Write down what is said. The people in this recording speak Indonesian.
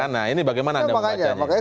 nah ini bagaimana anda membacanya